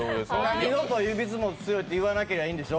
二度と指相撲強いって言わなきゃいいんでしょ？